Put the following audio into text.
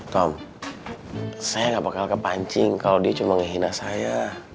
tom saya gak bakal kepancing kalau dia cuma menghina saya